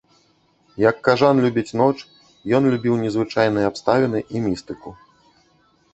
Як кажан любіць ноч, ён любіў незвычайныя абставіны і містыку.